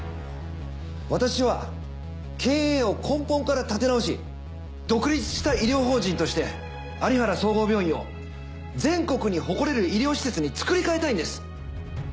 私は経営を根本から立て直し独立した医療法人として有原総合病院を全国に誇れる医療施設に作り変えたいんです。